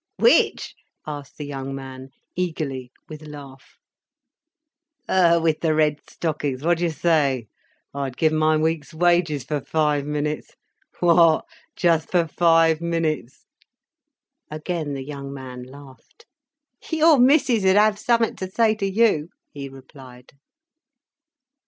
"Which?" asked the young man, eagerly, with a laugh. "Her with the red stockings. What d'you say? I'd give my week's wages for five minutes; what!—just for five minutes." Again the young man laughed. "Your missis 'ud have summat to say to you," he replied.